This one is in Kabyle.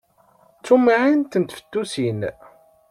D tumεint n tfettusin!